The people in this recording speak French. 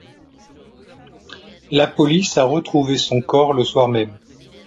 La police a retrouvé son corps le soir même.